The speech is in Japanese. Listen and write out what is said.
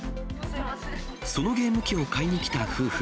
そのゲーム機を買いにきた夫婦。